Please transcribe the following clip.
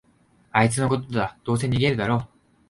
あいつのことだ、どうせ逃げるだろ